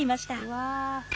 うわ。